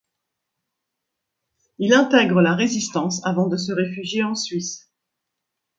Il intègre la résistance avant de se réfugier en Suisse.